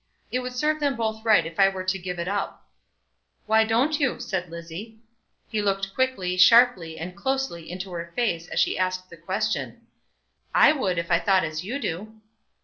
It would serve them both right if I were to give it up." "Why don't you?" said Lizzie. He looked quickly, sharply, and closely into her face as she asked the question. "I would, if I thought as you do."